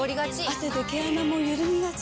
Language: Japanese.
汗で毛穴もゆるみがち。